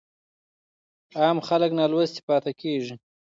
عام خلګ نالوسته پاته کيږي.